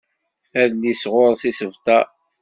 Adlis ɣur-s isebtar.